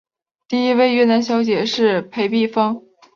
第一位越南小姐是裴碧芳。